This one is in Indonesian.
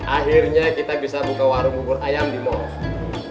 akhirnya kita bisa buka warung bubur ayam di mall